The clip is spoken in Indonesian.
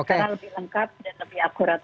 karena lebih lengkap dan lebih akurat